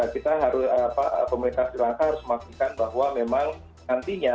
kita harus pemerintah silangka harus memastikan bahwa memang nantinya